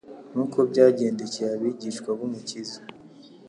Nk'uko byagendekeye, abigishwa b'Umukiza,